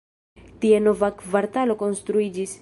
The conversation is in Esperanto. Tie nova kvartalo konstruiĝis.